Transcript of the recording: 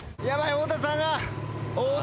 太田さん！